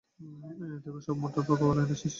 এই দেখ, সব মটর পোঁকাওয়ালা এনেছিস।